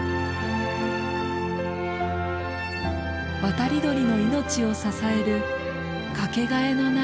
渡り鳥の命を支えるかけがえのない島です。